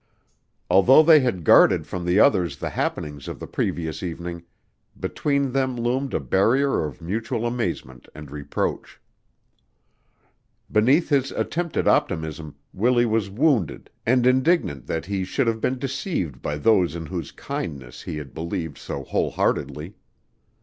Although they had guarded from the others the happenings of the previous evening, between them loomed a barrier of mutual amazement and reproach. Beneath his attempted optimism Willie was wounded and indignant that he should have been deceived by those in whose kindness he had believed so whole heartedly.